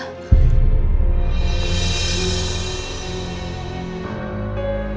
bapak aku mau ke sekolah